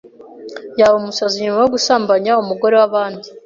Yabaye umusazi nyuma yogusambanya umugore wa bandi